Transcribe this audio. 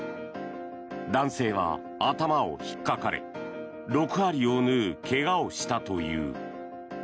男性は頭をひっかかれ６針を縫う怪我をしたという。